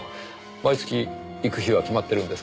毎月行く日は決まってるんですか？